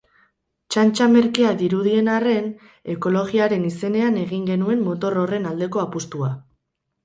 Txantxa merkea dirudien arren, ekologiaren izenean egin genuen motor horren aldeko apustua.